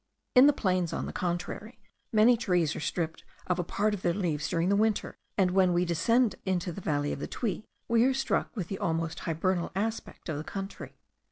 In the plains, on the contrary, many trees are stripped of a part of their leaves during the winter; and when we descend into the valley of the Tuy, we are struck with the almost hibernal aspect of the country.